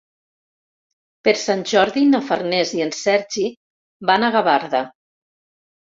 Per Sant Jordi na Farners i en Sergi van a Gavarda.